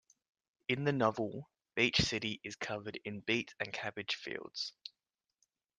In the novel, Beach City is covered in beet and cabbage fields.